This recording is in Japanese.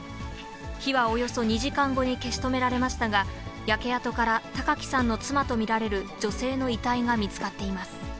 火はおよそ２時間後に消し止められましたが、焼け跡から高木さんの妻と見られる女性の遺体が見つかっています。